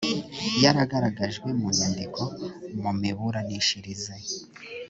yaragaragajwe mu nyandiko mu miburanishirize